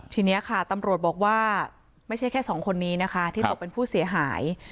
ทีนี้ค่ะตำรวจบอกว่าไม่ใช่แค่สองคนนี้นะคะที่ตกเป็นผู้เสียหาย